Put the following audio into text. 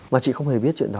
mà chị không hề biết chuyện đó